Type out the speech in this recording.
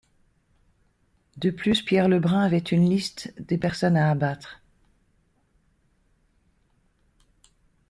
De plus, Pierre Lebrun avait une liste des personnes à abattre.